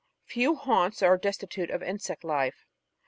Few haunts are destitute of insect life.